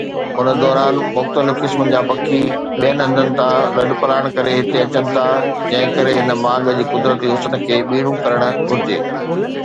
ان دوران مختلف قسمن جا پکي ٻين هنڌن تان لڏپلاڻ ڪري هتي اچن ٿا، جنهن ڪري هن ماڳ جي قدرتي حسن کي ٻيڻو ڪرڻ گهرجي.